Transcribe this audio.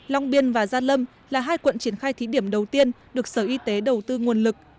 long biên và gia lâm là hai quận triển khai thí điểm đầu tiên được sở y tế đầu tư nguồn lực